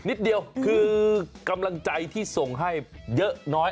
นิดเดียวคือกำลังใจที่ส่งให้เยอะน้อย